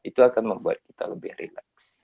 itu akan membuat kita lebih relax